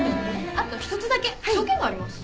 あと一つだけ条件があります。